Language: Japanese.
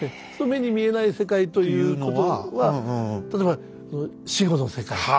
目に見えない世界というのは例えば「死後の世界」。